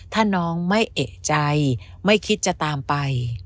ถ้าน้องไม่เอกใจไม่คิดจะตามไป